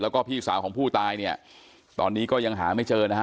แล้วก็พี่สาวของผู้ตายเนี่ยตอนนี้ก็ยังหาไม่เจอนะฮะ